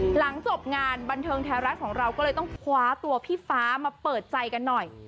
หลังจบงานบันเทิงไทยรัฐของเราก็เลยต้องคว้าตัวพี่ฟ้ามาเปิดใจกันหน่อย